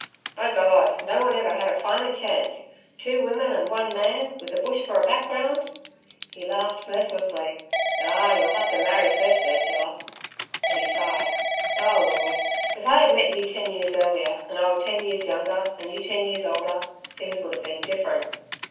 'By God! no one ever had a finer chance. Two women and one man, with the Bush for a background!' He laughed mirthlessly. 'Ah, you'll have to marry first, Ursula' and he sighed. 'O Lord! if I had met you ten years earlier, and I were ten years younger and you ten years older, things would have been different.'